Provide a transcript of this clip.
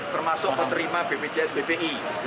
termasuk penerima bpjs bpi